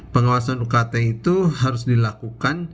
pengawasan ukt itu harus dilakukan